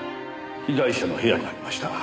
被害者の部屋にありました。